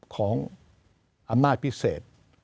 ของอำนาจพิเศษ